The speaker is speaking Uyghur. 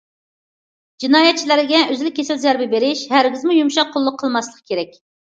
جىنايەتچىلەرگە ئۈزۈل كېسىل زەربە بېرىش، ھەرگىزمۇ يۇمشاق قوللۇق قىلماسلىق كېرەك.